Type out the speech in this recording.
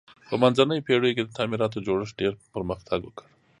په منځنیو پیړیو کې د تعمیراتو جوړښت ډیر پرمختګ وکړ.